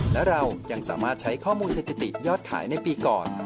และเรายังสามารถใช้ข้อมูลสถิติยอดขายในปีก่อน